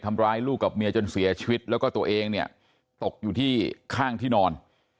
ทำร้ายลูกกับเมียจนเสียชีวิตแล้วก็ตัวเองเนี่ยตกอยู่ที่ข้างที่นอน